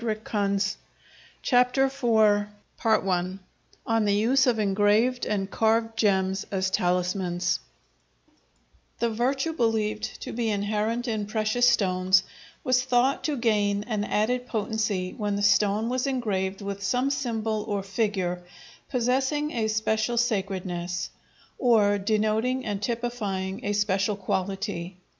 IV On the Use of Engraved and Carved Gems as Talismans The virtue believed to be inherent in precious stones was thought to gain an added potency when the stone was engraved with some symbol or figure possessing a special sacredness, or denoting and typifying a special quality.